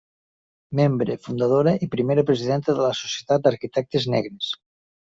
Membre fundadora i primera presidenta de la Societat d'Arquitectes Negres.